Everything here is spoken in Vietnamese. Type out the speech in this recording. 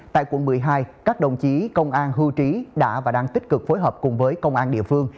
tại quận một mươi hai các đồng chí công an hưu trí đã và đang tích cực phối hợp cùng với công an địa phương